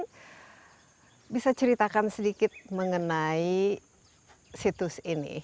mungkin bisa ceritakan sedikit mengenai situs ini